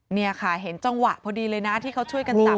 นี่ค่ะเห็นจังหวะพอดีเลยนะที่เขาช่วยกันจับ